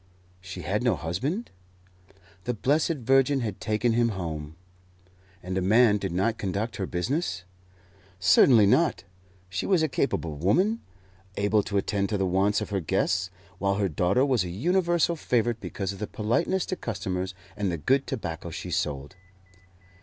She had no husband? The Blessed Virgin had taken him home. And a man did not conduct her business? Certainly not. She was a capable woman, able to attend to the wants of her guests, while her daughter was a universal favourite because of politeness to customers and the good tobacco she sold.